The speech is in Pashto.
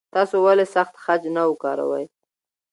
تاسو ولې سخت خج نه وکاروئ؟